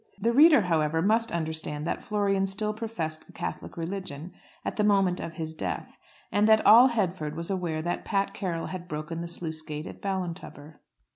The reader, however, must understand that Florian still professed the Catholic religion at the moment of his death, and that all Headford was aware that Pat Carroll had broken the sluice gate at Ballintubber.